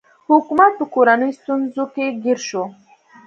حکومت په کورنیو ستونزو کې ګیر شو.